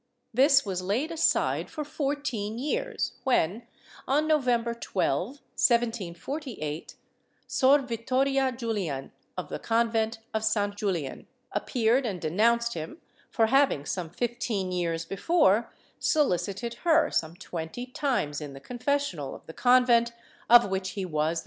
This was laid aside for fourteen years when, on November 12, 1748, Sor Vitoria Jufian, of the convent of San Julian, a^ppeared and denounced him for having, some fifteen years before, solicited her some tv/enty times in the confessional of the ^ Archive de Simancas, Inq.